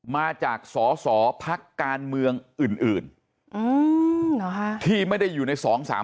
มาจากสอสอพักการเมืองอื่นที่ไม่ได้อยู่ใน๒๓๓